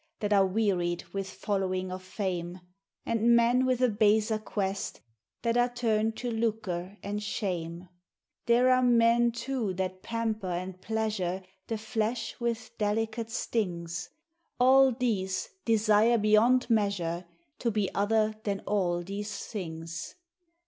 that are wearied with following of fame, And men with a baser quest, that are turned to lucre and shame. There are men too that pamper and pleasure the flesh with delicate stings: THE ni\ /\/•:/■:/./: i// :\ v. «j All these desire beyond measure to be oilier thail all these things.